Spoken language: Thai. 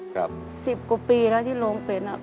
๑๐กว่าปีแล้วที่โรงเป็ด